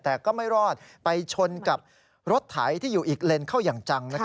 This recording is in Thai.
แต่ก็ไม่รอดไปชนกับรถไถที่อยู่อีกเลนเข้าอย่างจัง